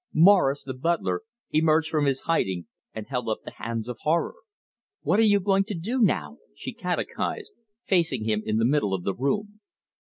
Morris, the butler, emerged from his hiding and held up the hands of horror. "What are you going to do now?" she catechised, facing him in the middle of the room.